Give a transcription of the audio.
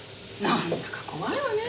なんだか怖いわねぇ。